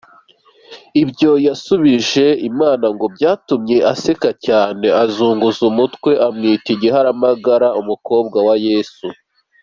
Ibyo yasubije Imana ngo byatumye iseka cyane izunguza umutwe imwita Igiharamagara, Umukobwa wa Yesu.